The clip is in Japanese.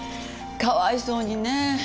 かわいそうにね。